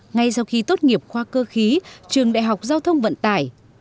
ngay sau khi tốt nghiệp khoa cơ khí trường đại học giao thông vận tải